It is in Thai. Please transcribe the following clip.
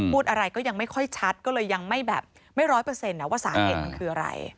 พูดอะไรก็ยังไม่ค่อยชัดก็เลยยังไม่แบบไม่ร้อยเปอร์เซ็นต์ว่าสาเหตุมันคืออะไร